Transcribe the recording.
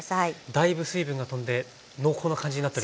だいぶ水分が飛んで濃厚な感じになっております。